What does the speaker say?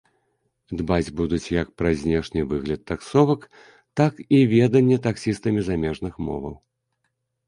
Дбаць будуць як пра знешні выгляд таксовак, так і веданне таксістамі замежных моваў.